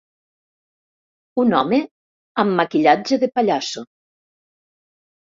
Un home amb maquillatge de pallasso.